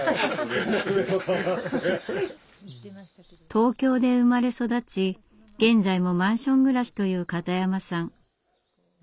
東京で生まれ育ち現在もマンション暮らしという片山さん。